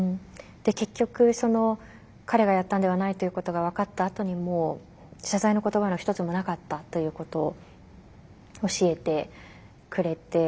結局彼がやったんではないということが分かったあとにも謝罪の言葉の一つもなかったということを教えてくれて。